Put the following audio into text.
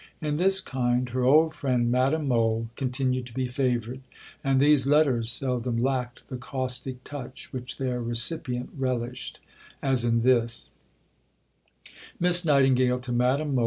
In this kind, her old friend, Madame Mohl continued to be favoured, and these letters seldom lacked the caustic touch which their recipient relished, as in this: (_Miss Nightingale to Madame Mohl.